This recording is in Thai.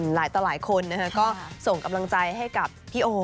หลายคนก็ส่งกำลังใจให้กับพี่โอ